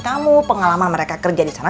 kamu pengalaman mereka kerja disana